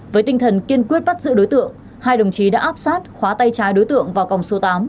với tinh thần kiên quyết bắt giữ đối tượng hai đồng chí đã áp sát khóa tay trái đối tượng vào còng số tám